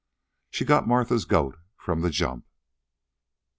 She got Martha's goat from the jump."